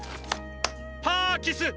パーキスッ！